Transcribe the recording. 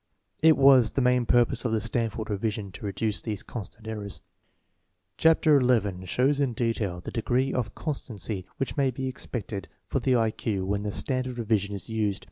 It was the main purpose of the Stanford Revision to reduce these constant errors. Chapter XI shows in detail the degree of constancy which may be expected for the I Q when the Stanford Revision is used.